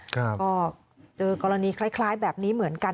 ก็เจอกรณีคล้ายแบบนี้เหมือนกัน